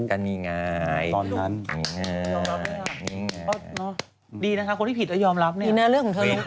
คุณนี่มันรอซื้อเก่งเหลือเกินนะ